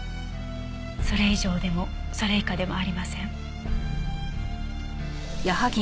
それ以上でもそれ以下でもありません。